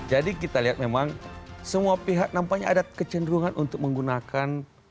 jadi kita lihat memang semua pihak nampaknya ada kecenderungan untuk menggunakan